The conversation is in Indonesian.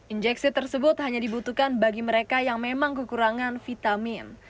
injeksi tersebut hanya dibutuhkan bagi mereka yang memang kekurangan vitamin